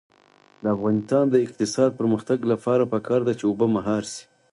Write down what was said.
د افغانستان د اقتصادي پرمختګ لپاره پکار ده چې اوبه مهار شي.